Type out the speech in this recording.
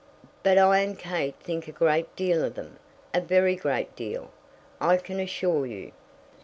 "But I and Kate think a great deal of them, a very great deal, I can assure you.